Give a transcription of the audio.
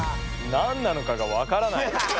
なんなのかがわからない。